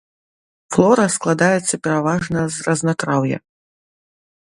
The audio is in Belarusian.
Флора складаецца пераважна з разнатраўя.